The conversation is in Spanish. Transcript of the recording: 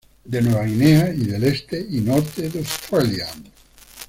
De Nueva Guinea y del este y norte de Australia.